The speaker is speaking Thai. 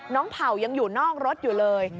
เผ่ายังอยู่นอกรถอยู่เลย